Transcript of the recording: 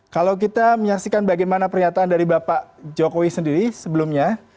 kalau kita menyaksikan bagaimana pernyataan dari bapak jokowi sendiri sebelumnya